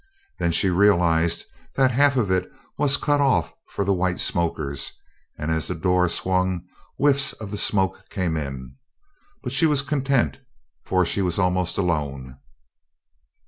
Then she realized that half of it was cut off for the white smokers and as the door swung whiffs of the smoke came in. But she was content for she was almost alone.